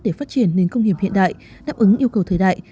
để phát triển nền công nghiệp hiện đại đáp ứng yêu cầu thời đại